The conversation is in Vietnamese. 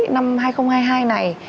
năm hai nghìn hai mươi hai này